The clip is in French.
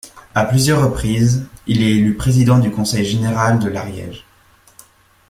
À plusieurs reprises, il est élu président du Conseil général de l'Ariège.